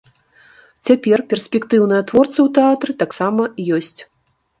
Цяпер перспектыўныя творцы ў тэатры таксама ёсць.